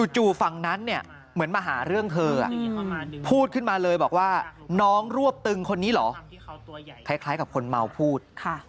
ฝั่งนั้นเนี่ยเหมือนมาหาเรื่องเธอพูดขึ้นมาเลยบอกว่าน้องรวบตึงคนนี้เหรอคล้ายกับคนเมาพูด